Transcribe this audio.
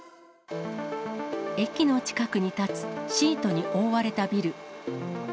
駅の近くに建つシートに覆われたビル。